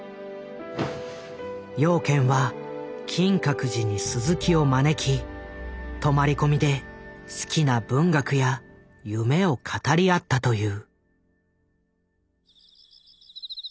養賢は金閣寺に鈴木を招き泊まり込みで好きな文学や夢を語り合ったという。